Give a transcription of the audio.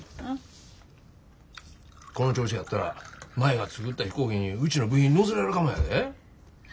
この調子やったら舞が作った飛行機にうちの部品載せれるかもやで。